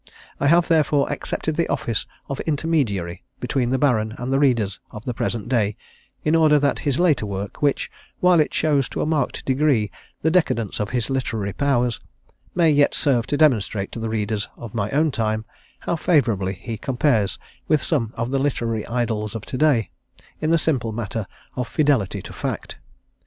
I have, therefore, accepted the office of intermediary between the Baron and the readers of the present day, in order that his later work, which, while it shows to a marked degree the decadence of his literary powers, may yet serve to demonstrate to the readers of my own time how favourably he compares with some of the literary idols of to day, in the simple matter of fidelity to fact.